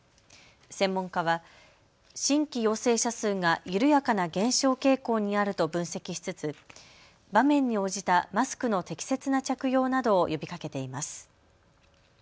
専門家は新規陽性者数が緩やかな減少傾向にあると分析しつつ場面に応じたマスクの適切な着用などを呼びかけています。